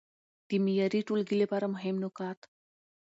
د معياري ټولګي لپاره مهم نقاط: